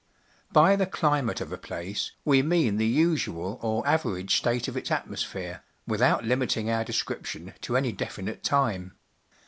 By the climate of a place we mean the usual or average state of its atmosphere, without limiting our description to any definite time.